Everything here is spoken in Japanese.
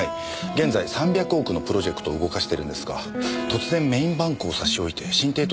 現在３００億のプロジェクトを動かしてるんですが突然メーンバンクを差し置いて新帝都